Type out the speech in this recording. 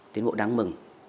tiến bộ đáng mừng